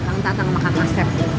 tangan tangan makan kaset